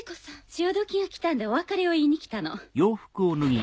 潮時が来たんでお別れを言いに来たの。